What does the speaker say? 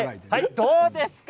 どうですか？